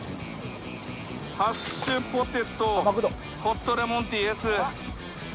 ハッシュポテトホットレモンティーＳ。